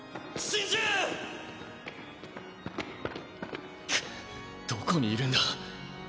くっどこにいるんだ？